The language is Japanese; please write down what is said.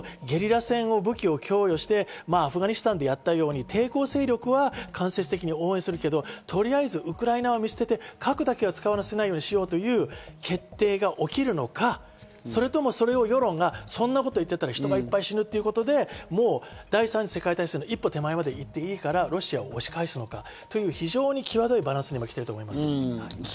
ゲリラ戦を武器を供与してアフガニスタンでやったように、抵抗勢力は間接的に応援するけど、とりあえずウクライナは見捨てて核だけは使わせないようにしようという決定が起きるのか、それとも世論がそんなこと言ってたら人がいっぱい死ぬということで第三次世界大戦の一歩手前までいっていいからロシアを押し返すのかという非常に際どいバランスに来ていると思います。